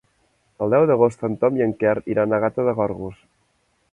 El deu d'agost en Tom i en Quer iran a Gata de Gorgos.